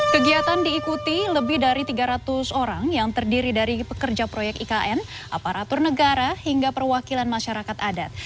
kegiatan diikuti lebih dari tiga ratus orang yang terdiri dari pekerja proyek ikn aparatur negara hingga perwakilan masyarakat adat